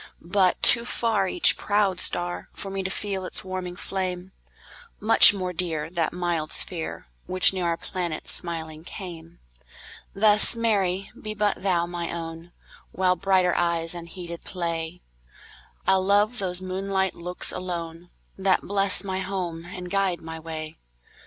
But too farEach proud star, For me to feel its warming flame; Much more dear, That mild sphere, Which near our planet smiling came; Thus, Mary, be but thou my own; While brighter eyes unheeded play, I'll love those moonlight looks alone, That bless my home and guide my way.